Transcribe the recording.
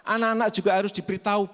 anak anak juga harus diberitahu